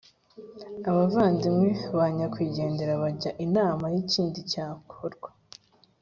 abavandimwe ba nyakwigendera bajya inama y’ikindi cyakorwa.